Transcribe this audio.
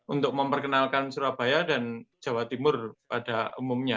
untuk memperkenalkan surabaya dan jawa timur pada umumnya